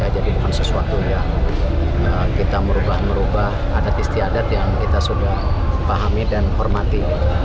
jadi bukan sesuatu yang kita merubah merubah adat istiadat yang kita sudah pahami dan hormati